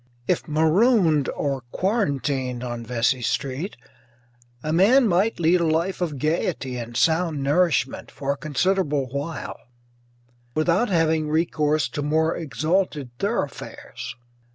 If marooned or quarantined on Vesey Street a man might lead a life of gayety and sound nourishment for a considerable while, without having recourse to more exalted thoroughfares.